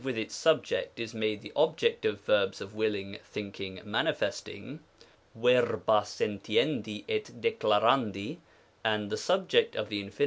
with its subject is made the ob ject of verbs of willing, thinking, manifesting, (verba sentiendi et declarandi), and the subject of the Infin.